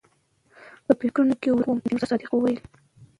پۀ فکرونو کښې ورک ووم چې نورصادق وويل